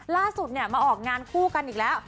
ล่าสุดมาออกงานคู่กันอีกแล้ว